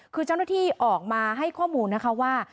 คือเจ้าหน้าที่ออกมาให้ข้อมูลนะคะว่า